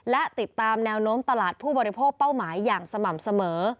และติดตามแนวโน้มตลาดผู้บริโภคเป้าหมายอย่างสม่ำเสมอ